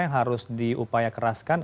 yang harus diupaya keraskan